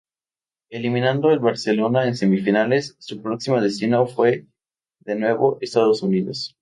Eliminado el Barcelona en semifinales, su próximo destino fue de nuevo Estados Unidos.